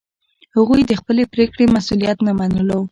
هغوی د خپلې پرېکړې مسوولیت نه منلو.